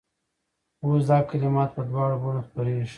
اوس دا کلمات په دواړو بڼو خپرېږي.